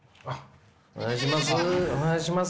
お願いします。